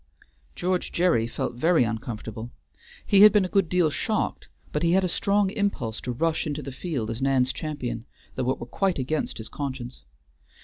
George Gerry felt very uncomfortable. He had been a good deal shocked, but he had a strong impulse to rush into the field as Nan's champion, though it were quite against his conscience.